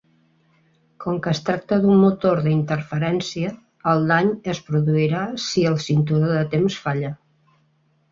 Com que es tracta d'un motor d'interferència, el dany es produirà si el cinturó de temps falla.